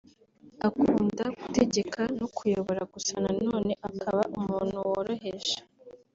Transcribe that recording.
akunda gutegeka no kuyobora gusa nanone akaba umuntu woroheje